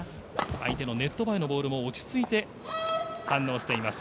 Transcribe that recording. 相手のネット前のボールも落ち着いて反応しています。